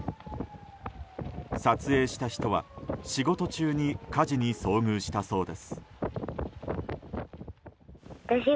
撮影した人は仕事中に火事に遭遇したそうです。